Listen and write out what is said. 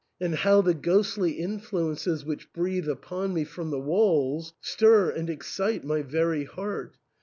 And how the ghostly influences which breathe upon me from the walls stir and excite my very heart